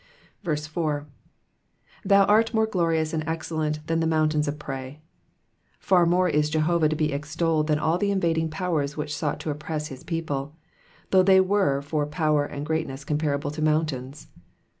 4. ^^Thou art more glorious and excellent than the mountains qf prey^ Far more is Jehovah to be extolled than all the invading powers which sought to oppress his people, though they were for power and greatness comparable to mountains.